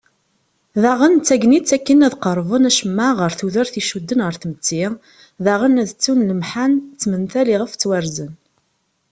Daɣen d tagnit akken ad qerben acemma ɣer tudert icudden ɣer tmetti daɣen ad ttun lemḥan d tmental iɣef ttwarzen.